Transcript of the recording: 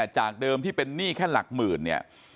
จากเดิมที่เป็นนี่แค่หลักหมื่น